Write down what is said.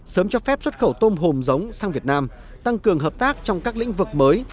sớm cho phép xuất khẩu tôm hồm giống sang việt nam tăng cường hợp tác trong các lĩnh vực mới